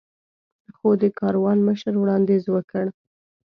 خو د کاروان مشر وړاندیز وکړ.